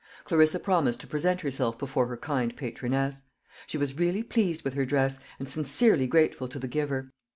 Clarissa promised to present herself before her kind patroness. She was really pleased with her dress, and sincerely grateful to the giver.